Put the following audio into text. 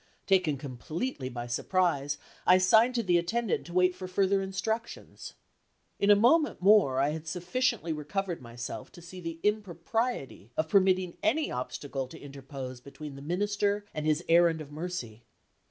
Taken completely by surprise, I signed to the attendant to wait for further instructions. In a moment more I had sufficiently recovered myself to see the impropriety of permitting any obstacle to interpose between the Minister and his errand of mercy.